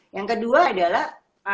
yang kedua adalah